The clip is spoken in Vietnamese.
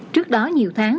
trước đó nhiều tháng